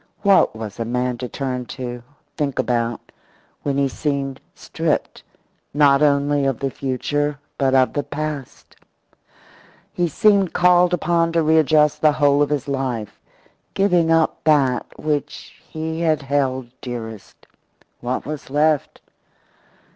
What was a man to turn to, think about, when he seemed stripped, not only of the future, but of the past? He seemed called upon to readjust the whole of his life, giving up that which he had held dearest. What was left?